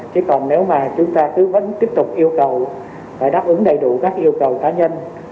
chứ còn nếu mà chúng ta cứ vẫn tiếp tục yêu cầu phải đáp ứng đầy đủ các yêu cầu cá nhân